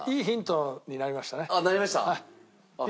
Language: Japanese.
あっなりました？